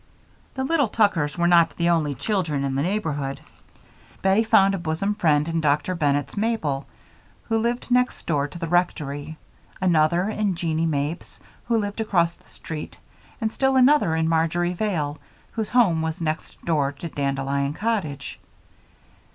The little Tuckers were not the only children in the neighborhood. Bettie found a bosom friend in Dr. Bennett's Mabel, who lived next door to the rectory, another in Jeanie Mapes, who lived across the street, and still another in Marjory Vale, whose home was next door to Dandelion Cottage.